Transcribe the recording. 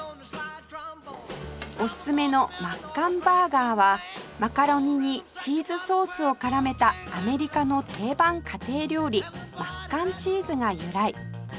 おすすめのマッカンバーガーはマカロニにチーズソースを絡めたアメリカの定番家庭料理マッカンチーズが由来